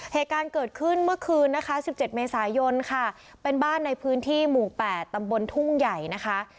เหตุการณ์เกิดขึ้นเมื่อคืนนะคะ๑๗เมษายนค่ะเป็นบ้านในพื้นที่หมู่๘ตำบลทุ่งใหญ่นะคะ